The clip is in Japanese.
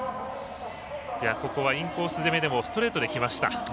ここはインコース攻めでもストレートできました。